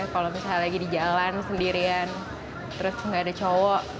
kalau misalnya lagi di jalan sendirian terus nggak ada cowok